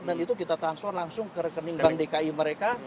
itu kita transfer langsung ke rekening bank dki mereka